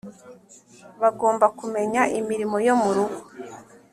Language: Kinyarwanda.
bagomba kumenya imirimo yo mu rugo